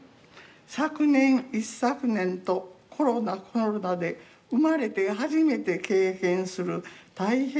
昨年一昨年とコロナコロナで生まれて初めて経験する大変な年になりました。